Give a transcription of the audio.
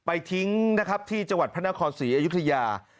ทิ้งนะครับที่จังหวัดพระนครศรีอยุธยา